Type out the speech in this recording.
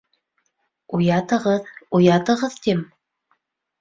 — Уятығыҙ, уятығыҙ тим!